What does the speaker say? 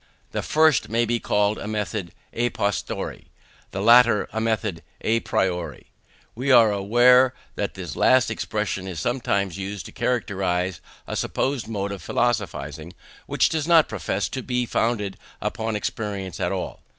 The first may be called the method à posteriori; the latter, the method à priori. We are aware that this last expression is sometimes used to characterize a supposed mode of philosophizing, which does not profess to be founded upon experience at all.